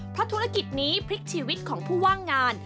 เพราะธุรกิจนี้พลิกชีวิตของผู้ว่างงาน